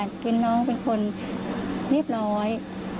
ก็คือน้องเป็นคนลิบน้อย